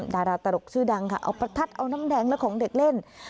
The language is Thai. ดาราตลกชื่อดังค่ะเอาประทัดเอาน้ำแดงและของเด็กเล่น